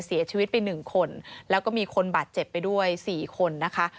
เสียชีวิตไป๑คนแล้วก็มีคนบาดเจ็บไปด้วย๔คนนะคะ